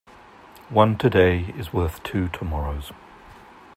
One today is worth two tomorrows.